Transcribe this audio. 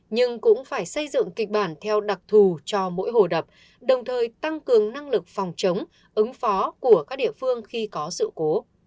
nhưng cũng phải xây dựng kịch bản theo đặc thù cho mỗi hồ đập đồng thời tăng cường năng lực phòng chống ứng phó của các địa phương khi có sự cố